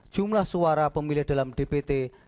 jumlah suara pemilih dalam dpt